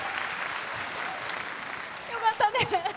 よかったね！